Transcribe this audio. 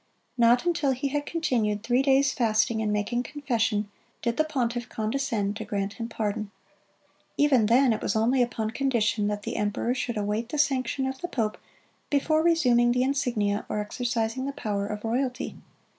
Not until he had continued three days fasting and making confession, did the pontiff condescend to grant him pardon. Even then it was only upon condition that the emperor should await the sanction of the pope before resuming the insignia or exercising the power of royalty.